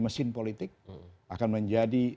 mesin politik akan menjadi